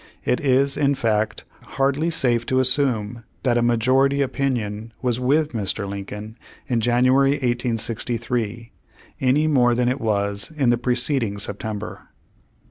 It is in fact hardly safe to assume that a majority opinion was with Mr. Lincoln in Janu ary 1863, any more than it was in the preceding September.